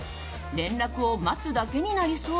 連絡を待つだけになりそう。